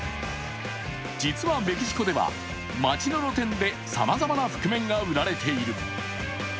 実はメキシコでは、街の露店でさまざまな覆面が売られている。